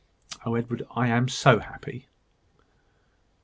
Oh, Edward, I am so happy!"